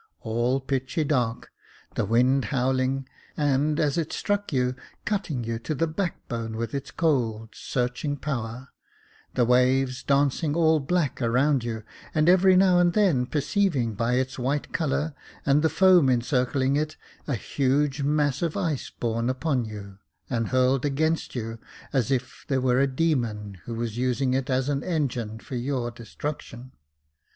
All pitchy dark — the wind howling, and as it struck you, cutting you to the backbone with its cold, searching power, the waves dancing all black around you, and every now and then perceiving by its white colour and the foam encircling it, a huge mass of ice borne upon you, and hurled against you as if there were a demon, who was using it as an engine for your destruction.